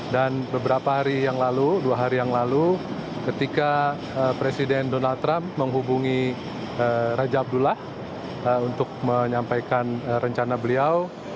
dan beberapa hari yang lalu dua hari yang lalu ketika presiden donald trump menghubungi raja abdullah untuk menyampaikan rencana beliau